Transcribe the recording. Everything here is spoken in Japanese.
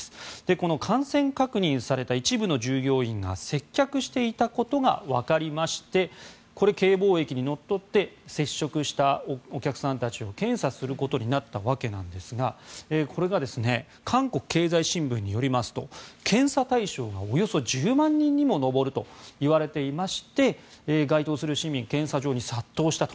この感染確認された一部の従業員が接客していたことが分かりましてＫ防疫にのっとって接触したお客さんたちを検査することになったわけなんですがこれが韓国経済新聞によりますと検査対象がおよそ１０万人にも上るといわれていまして該当する市民検査場に殺到したと。